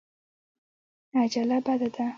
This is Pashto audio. عجله بده ده.